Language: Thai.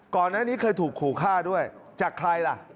ก่อนหน้านี้เคยถูกขู่ฆ่าด้วยจากใครล่ะ